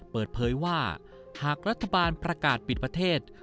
เปิดเผยว่าหากรัฐบาลประกาศปิดประเทศ